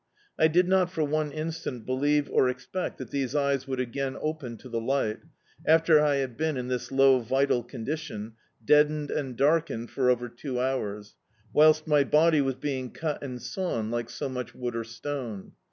I did not for one instant believe or expect that these eyes would again open to the lig^t, after I had been in this low vital condition, deadened and darkened for over two hours, whilst my body was being cut and sawn like so much wood or stone.